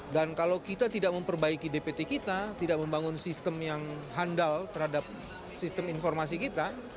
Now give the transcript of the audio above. dan kalau kita tidak memperbaiki dpt kita tidak membangun sistem yang handal terhadap sistem informasi kita